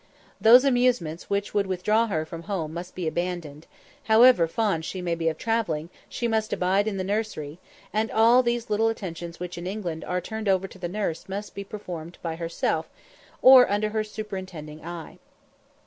Those amusements which would withdraw her from home must be abandoned; however fond she may be of travelling, she must abide in the nursery; and all those little attentions which in England are turned over to the nurse must be performed by herself, or under her superintending eye.